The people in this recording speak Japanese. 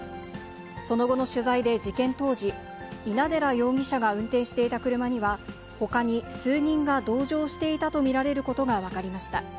その後の取材で事件当時、稲寺容疑者が運転していた車には、ほかに数人が同乗していたと見られることが分かりました。